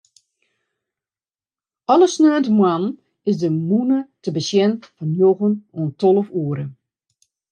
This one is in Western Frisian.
Alle saterdeitemoarnen is de mûne te besjen fan njoggen oant tolve oere.